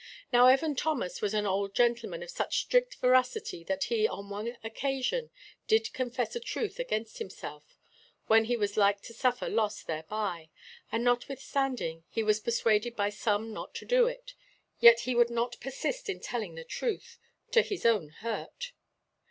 Now Evan Thomas was 'an old gentleman of such strict veracity that he' on one occasion 'did confess a truth against himself,' when he was 'like to suffer loss' thereby, and notwithstanding he 'was persuaded by some not to do it, yet he would persist in telling the truth, to his own hurt.'